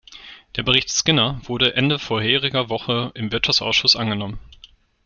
Der Bericht Skinner wurde Ende voriger Woche im Wirtschaftsausschuss angenommen.